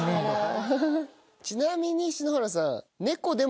ちなみに篠原さん。